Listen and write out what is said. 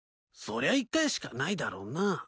そりゃ１回しかないだろうな。